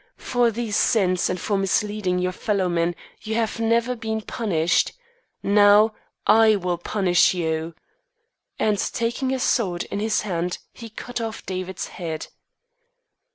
For these sins and for misleading your fellowmen you have never been punished. Now I will punish you," and taking his sword in his hand he cut off David's head.